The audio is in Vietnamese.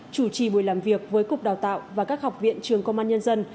chủ trì buổi làm việc với cục đào tạo và các học viện trường công an nhân dân